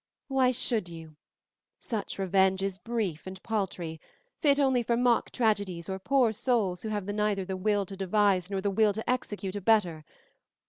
"Why should you? Such revenge is brief and paltry, fit only for mock tragedies or poor souls who have neither the will to devise nor the will to execute a better.